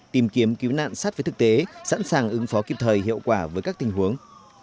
tìm kiếm cứu nạn sát với thực tế sẵn sàng ứng phó kịp thời hiệu quả với các tình huống